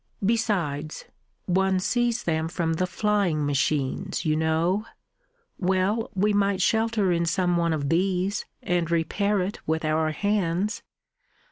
Besides, one sees them from the flying machines, you know. Well, we might shelter in some one of these, and repair it with our hands.